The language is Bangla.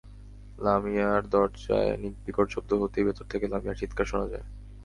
লামিয়ার দরজায় বিকট শব্দ হতেই ভেতর থেকে লামিয়ার চিৎকার শোনা যায়।